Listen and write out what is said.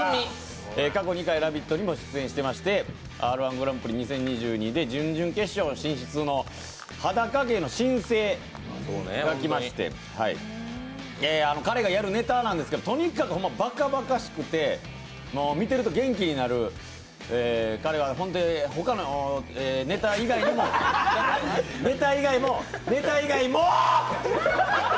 過去２回「ラヴィット！」にも出演してまして、「Ｒ−１グランプリ２０２２」で準々決勝進出の裸芸の新星が来まして、彼がやるネタなんですけど、とにかく馬鹿馬鹿しくて見てると元気になる、彼はネタ以外、ネタ以外もー！